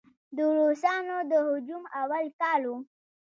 د روسانو د هجوم اول کال و.